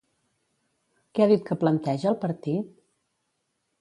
Què ha dit que planteja el partit?